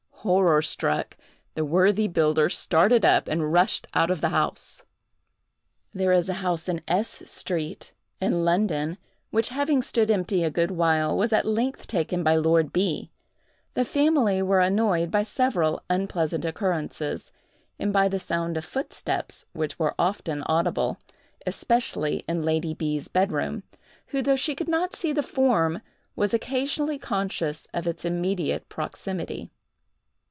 Horror struck, the worthy builder started up and rushed out of the house. There is a house in S—— street, in London, which, having stood empty a good while, was at length taken by Lord B——. The family were annoyed by several unpleasant occurrences, and by the sound of footsteps, which were often audible, especially in Lady B——'s bed room—who, though she could not see the form, was occasionally conscious of its immediate proximity.